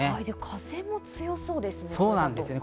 風も強そうですね。